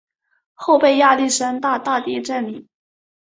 后被亚历山大大帝占领。